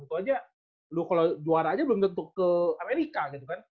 itu aja lu kalau juara aja belum tentu ke amerika gitu kan